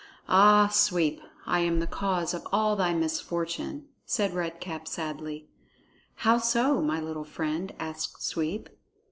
"Ah, Sweep, I am the cause of all thy misfortune," said Red Cap sadly. "How so, my little friend?" asked Sweep.